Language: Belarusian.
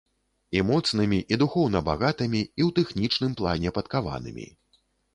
І моцнымі, і духоўна багатымі, і ў тэхнічным плане падкаванымі.